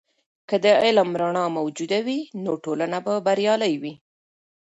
که د علم رڼا موجوده وي، نو ټولنه به بریالۍ وي.